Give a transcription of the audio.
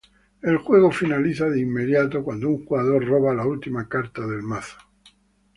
El juego finaliza de inmediato cuando un jugador roba la última carta del mazo.